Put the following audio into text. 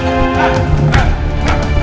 kau tak bisa berpikir pikir